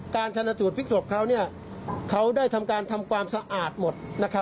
การชนะสูดฟริกรรดิทำการทำความสะอาดหมด